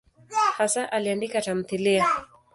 Hasa aliandika tamthiliya.